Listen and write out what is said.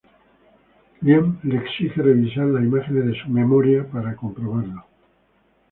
Liam le exige revisar las imágenes de su "memoria" para comprobarlo.